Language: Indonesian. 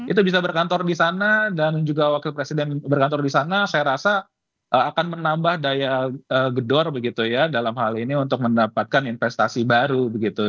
itu bisa berkantor di sana dan juga wakil presiden berkantor di sana saya rasa akan menambah daya gedor begitu ya dalam hal ini untuk mendapatkan investasi baru begitu